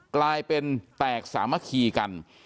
กลายเป็นแตกสามัคคีกัน